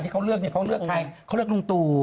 ที่เขาเลือกเนี่ยเขาเลือกใครเขาเลือกลุงตู่